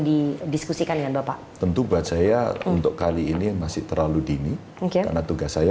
didiskusikan dengan bapak tentu buat saya untuk kali ini masih terlalu dini karena tugas saya